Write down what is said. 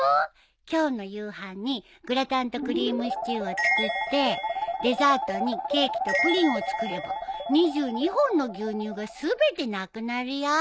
今日の夕飯にグラタンとクリームシチューを作ってデザートにケーキとプリンを作れば２２本の牛乳が全てなくなるよ。